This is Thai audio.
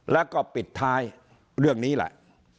แล้วก็ปิดท้ายเรื่องนี้แหละ